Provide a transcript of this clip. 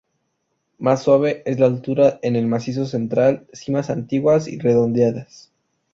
Más suave es la altura en el Macizo Central, cimas antiguas y redondeadas.